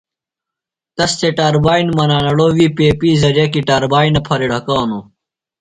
تس تھےۡ ٹربائن منانہ لوۡ وی پیپیۡ زرئعہ کیۡ ٹربائنہ پھرے ڈھکانوۡ۔